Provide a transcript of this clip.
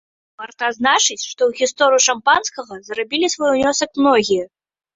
Варта адзначыць, што ў гісторыю шампанскага зрабілі свой унёсак многія.